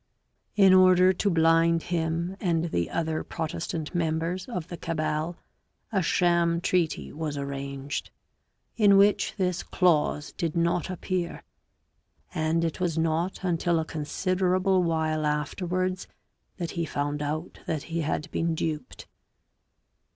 In order to blind him and the other Protestant members of the Cabal a sham treaty was arranged in which this clause did not appear, and it was not until a considerable while afterwards that he found out that he had been duped.